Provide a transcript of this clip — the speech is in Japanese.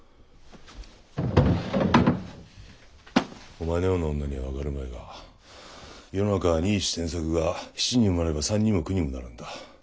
お前のような女には分かるまいが世の中は二一天作が七にもなれば三にも九にもなるんだ。